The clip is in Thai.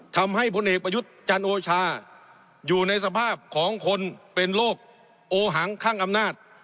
พลเอกประยุทธ์จันโอชาอยู่ในสภาพของคนเป็นโรคโอหังข้างอำนาจ